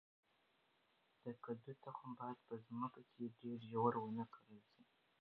د کدو تخم باید په مځکه کې ډیر ژور ونه کرل شي.